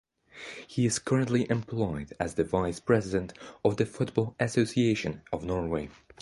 He is currently employed as the vice president of the Football Association of Norway.